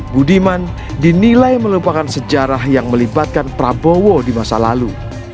budiman dinilai melupakan sejarah yang melibatkan prabowo di masa lalu